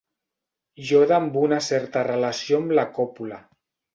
Iode amb una certa relació amb la còpula.